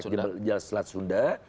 jalan selat sunda